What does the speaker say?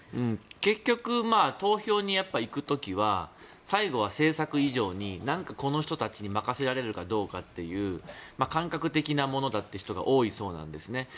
結局、投票に行く時は最後は政策以上になんか、この人たちに任せられるかどうかという感覚的なものだという人が多いそうなんですね。